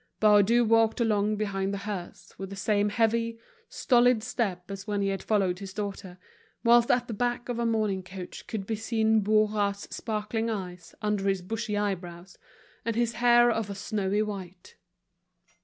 Baudu walked along behind the hearse with the same heavy, stolid step as when he had followed his daughter; whilst at the back of a mourning coach could be seen Bourras's sparkling eyes under his bushy eyebrows, and his hair of a snowy white.